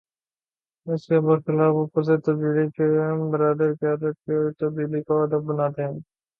اس کے بر خلاف اوپر سے تبدیلی کے علم بردار قیادت کی تبدیلی کو ہدف بناتے ہیں۔